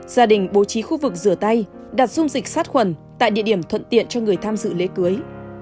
gia đình bố trí khu vực rửa tay đặt dung dịch sát khuẩn tại địa điểm thuận tiện cho người tham dự lễ cưới